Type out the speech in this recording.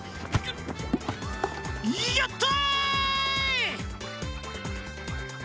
やった！